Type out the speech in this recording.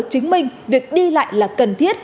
chứng minh việc đi lại là cần thiết